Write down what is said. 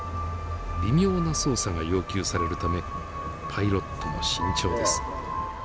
微妙な操作が要求されるためパイロットも慎重です。